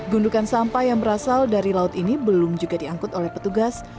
gundukan sampah yang berasal dari laut ini belum juga diangkut oleh petugas